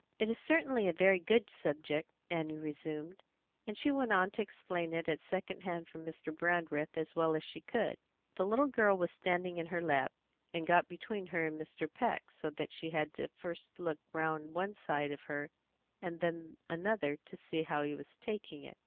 "It is certainly a very good object," Annie resumed; and she went on to explain it at second hand from Mr. Brandreth as well as she could. The little girl was standing in her lap, and got between her and Mr. Peck, so that she had to look first around one side of her and then another to see how he was taking it.